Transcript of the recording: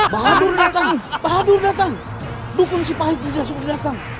bahadur datang bahadur datang dukun si pahit lidah sudah datang